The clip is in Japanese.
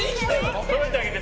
そろえてあげて。